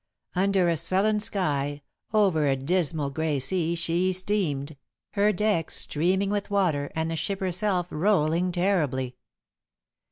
Under a sullen sky, over a dismal grey sea she steamed, her decks streaming with water, and the ship herself rolling terribly.